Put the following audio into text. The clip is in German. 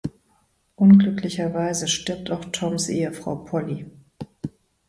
Unglücklicherweise stirbt auch Toms Ehefrau Polly.